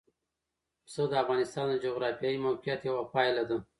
پسه د افغانستان د جغرافیایي موقیعت یوه پایله ده.